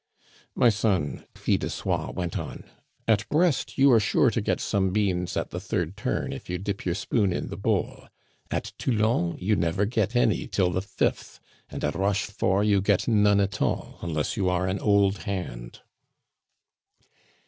"My son," Fil de Soie went on, "at Brest you are sure to get some beans at the third turn if you dip your spoon in the bowl; at Toulon you never get any till the fifth; and at Rochefort you get none at all, unless you are an old hand."